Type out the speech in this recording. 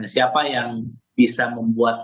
siapa yang bisa membuat